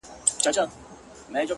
د طبیعت په تقاضاوو کي یې دل و ول کړم؛